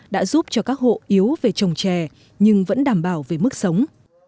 đã giúp cho các hộ yếu về trồng chè nhưng vẫn đảm bảo về mức sống